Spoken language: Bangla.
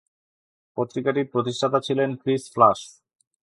পত্রিকাটির প্রতিষ্ঠাতা ছিলেন ক্রিস ফ্লাশ।